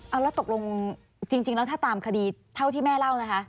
เอาแล้วตกลงจริงแล้วถ้าตามคดีเท่าที่แม่เล่านะคะ